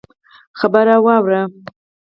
خبره واوره!